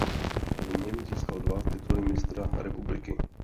V něm získal dva tituly mistra republiky.